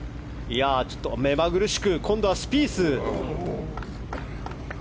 目まぐるしく今度はスピース。